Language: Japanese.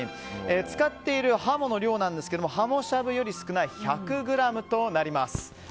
使っているハモの量なんですが鱧しゃぶより少ない１００ｇとなります。